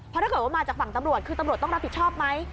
เพราะถ้าเกิดว่ามาจากฝั่งตำรวจคือตำรวจต้องรับผิดชอบไหม